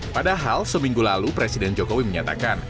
padahal seminggu lalu presiden jokowi menyatakan